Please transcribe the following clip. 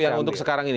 yang untuk sekarang ini